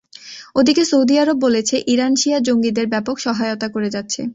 ওদিকে Saudi Arab বলেছে, Iran শিয়া জঙ্গিদের ব্যাপক সহায়তা করে যাচ্ছে।